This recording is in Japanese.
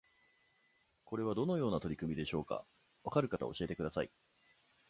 これはどのような取り組みでしょうか？わかる方教えてください